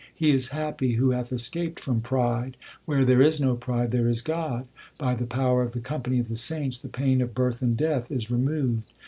1 He is happy who hath escaped from pride ; where there is no pride there is God. By the power of the company of the saints the pain of birth and death is removed.